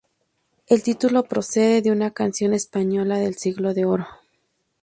El título procede de una canción española del Siglo de Oro.